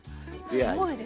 すごいですね。